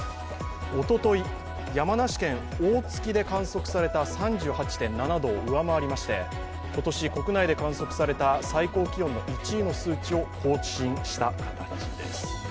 おととい山梨県大月で観測された３８．７度を上回りまして今年、国内で観測された最高気温の１位の数字を更新した形です。